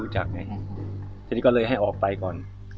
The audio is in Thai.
จะเจ็บไหน